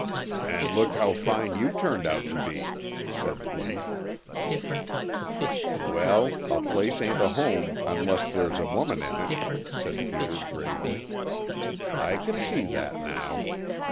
"And look how fine you turned out to be," said Booge. "Well, a place ain't a home unless there's a woman in it," said Peter gravely. "I can see that now.